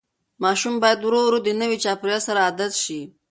ماشوم باید ورو ورو د نوي چاپېریال سره عادت شي.